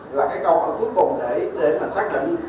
là cái câu hỏi cuối cùng để mình xác định